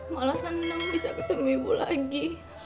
malah senang bisa ketemu ibu lagi